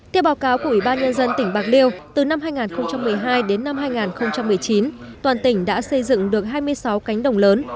theo báo cáo của ủy ban nhân dân tỉnh bạc liêu từ năm hai nghìn một mươi hai đến năm hai nghìn một mươi chín toàn tỉnh đã xây dựng được hai mươi sáu cánh đồng lớn